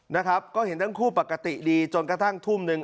นะครับก็เห็นทั้งคู่ปกติดีจนกระทั่งทุ่มหนึ่ง